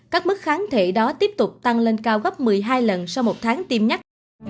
các mức kháng thể đó tiếp tục tăng lên cao gấp một mươi hai lần sau một tháng tiêm nhắc